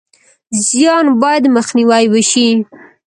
زیان باید مخنیوی شي